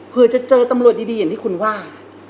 เพื่อจะเจอตำรวจดีอย่างที่คุณว่า